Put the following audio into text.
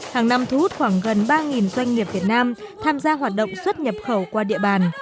hàng năm thu hút khoảng gần ba doanh nghiệp việt nam tham gia hoạt động xuất nhập khẩu qua địa bàn